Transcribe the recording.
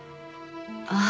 ああ。